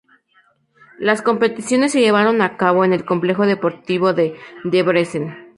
Las competiciones se llevaron a cabo en el Complejo Deportivo de Debrecen.